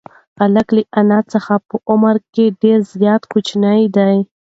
هلک له انا څخه په عمر کې ډېر زیات کوچنی دی.